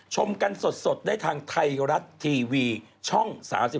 ชมกันสดได้ทางไทยรัฐทีวีช่อง๓๒